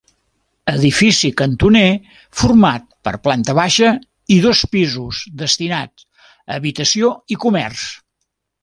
Edifici cantoner format per planta baixa i dos pisos destinat a habitació i comerç.